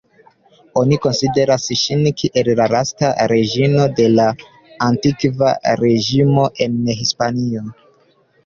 Oni konsideras ŝin kiel la lasta reĝino de la Antikva Reĝimo en Hispanio.